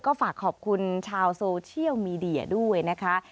ก็ฝากขอบคุณชาวโซเชียลมีเดียด้วยนะคะ